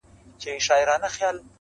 اڅکزي پر پاکستاني چارواکو تور پورې کړ